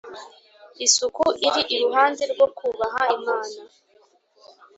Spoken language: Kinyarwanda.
isuku iri iruhande rwo kubaha imana